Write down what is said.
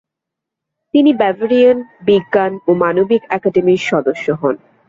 তিনি ব্যাভারিয়ান বিজ্ঞান ও মানবিক একাডেমির সদস্য হন।